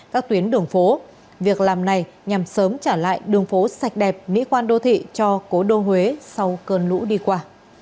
các tuyến đường phố việc làm này nhằm sớm trả lại đường phố sạch đẹp mỹ khoan đô thị cho cố đô huế sau cơn lũ đi qua